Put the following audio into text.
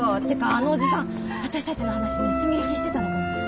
てかあのおじさん私たちの話盗み聞きしてたのかな。